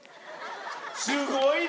すごいな！